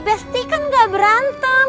besti kan gak berantem